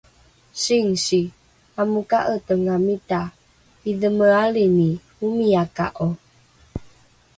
Sinsi, amo ka'etengamita! 'Idhemealini omiyaka'o?